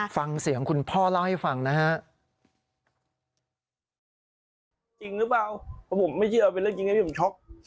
ฟังเสียงคุณพ่อเล่าให้ฟังนะฮะ